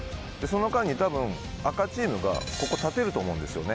その間に多分赤チームがここ立てると思うんですよ